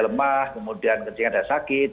lemah kemudian kencing ada sakit